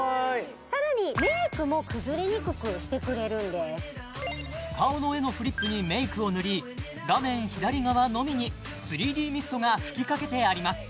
さらにメイクも崩れにくくしてくれるんです顔の絵のフリップにメイクを塗り画面左側のみに３Ｄミストが吹きかけてあります